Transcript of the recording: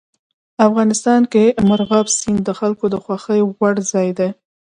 افغانستان کې مورغاب سیند د خلکو د خوښې وړ ځای دی.